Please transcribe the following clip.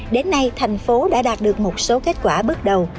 đến nay tp hcm đã đạt được một số kết quả bước đầu